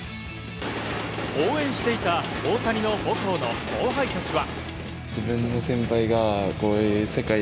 応援していた大谷の母校の後輩たちは。